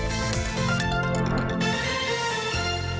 สวัสดีค่ะ